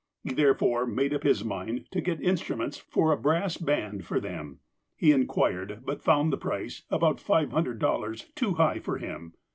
He, therefore, made up his mind to get instruments for a brass band for them. He inquired, but found the price, about $500, too high for him.